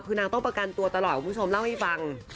คือนางต้องประกันตัวตลอดคุณผู้ชมเล่าให้ฟัง